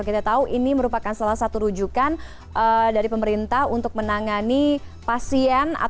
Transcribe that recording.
kita tahu ini merupakan salah satu rujukan dari pemerintah untuk menangani pasien